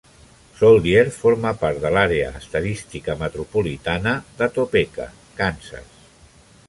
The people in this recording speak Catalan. Soldier forma part de l'àrea estadística metropolitana de Topeka, Kansas.